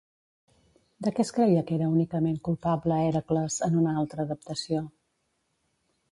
De què es creia que era únicament culpable Hèracles en una altra adaptació?